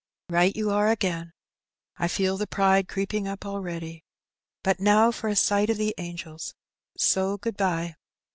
" Right you are again. I feel the pride creeping up already. But now for a sight of the angels, so good bye."